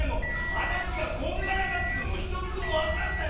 はなしがこんがらがっててひとつもわかんない。